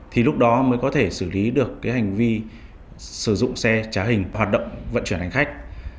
thì lúc đó mới có thể xử lý được cái hành vi sử dụng xe trá hình hoạt động vận chuyển hành khách